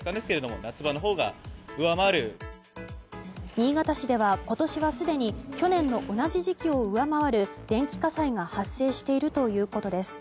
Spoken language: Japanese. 新潟市では今年はすでに去年の同じ時期を上回る電気火災が発生しているということです。